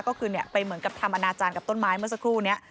ก็คือไปเหมือนกับทำอนาจารย์กับต้นไม้เมื่อสักครู่นี้